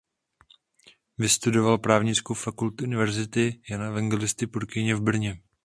Vystudoval Právnickou fakultu Univerzity Jana Evangelisty Purkyně v Brně.